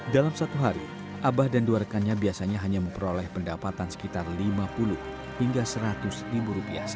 dalam satu hari abah dan dua rekannya biasanya hanya memperoleh pendapatan sekitar lima puluh hingga satu ratus lima rupiah saja